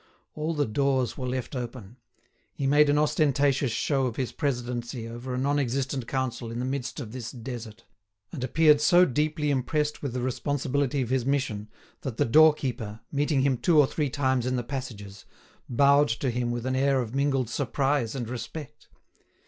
All the doors were left open. He made an ostentatious show of his presidency over a non existent council in the midst of this desert, and appeared so deeply impressed with the responsibility of his mission that the doorkeeper, meeting him two or three times in the passages, bowed to him with an air of mingled surprise and respect.